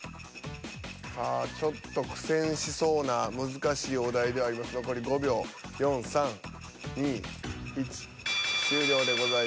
さあちょっと苦戦しそうな難しいお題ではありますが残り５秒４３２１。